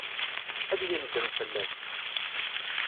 Ad yendem fell-as.